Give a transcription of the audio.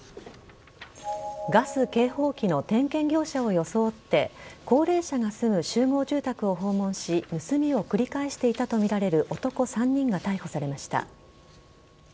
ガス警報器の点検業者を装って高齢者が住む集合住宅を訪問し盗みを繰り返していたとみられる男３人が逮捕されました。